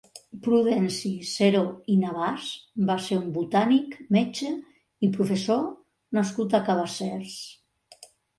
Prudenci Seró i Navàs va ser un botànic, metge i professor nascut a Cabassers.